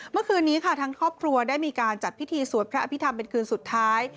เมื่อคืนนี้ค่ะทั้งครอบครัวได้มีการจัดพิธีสวดพระอภิษฐรรมเป็นคืนสุดท้าย